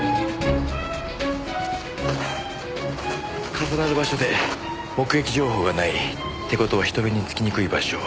重なる場所で目撃情報がない。って事は人目につきにくい場所。